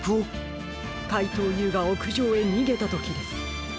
かいとうＵがおくじょうへにげたときです。